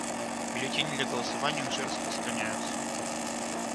Бюллетени для голосования уже распространяются.